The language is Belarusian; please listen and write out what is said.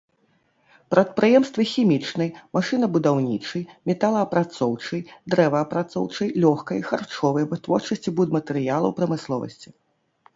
Прадпрыемствы хімічнай, машынабудаўнічай, металаапрацоўчай, дрэваапрацоўчай, лёгкай, харчовай, вытворчасці будматэрыялаў прамысловасці.